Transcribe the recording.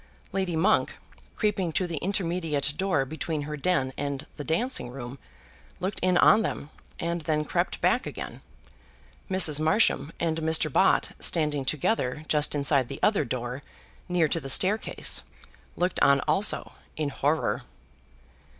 Lady Monk, creeping to the intermediate door between her den and the dancing room, looked in on them, and then crept back again. Mrs. Marsham and Mr. Bott standing together just inside the other door, near to the staircase, looked on also in horror.